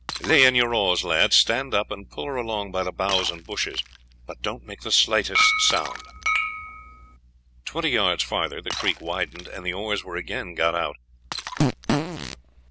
Lay in your oars, lads; stand up, and pull her along by the boughs and bushes, but don't make the slightest sound." Twenty yards farther the creek widened, and the oars were again got out.